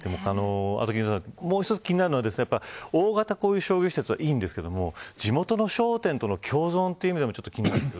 もう１つ気になるのは大型商業施設はいいですが地元の商店との共存という意味でも気になります。